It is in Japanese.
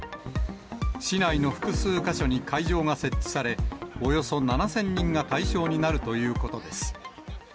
市内の複数箇所に会場が設置され、およそ７０００人が対象になるということです。